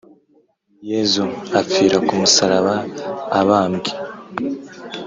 yezu apfira ku musaraba abambwe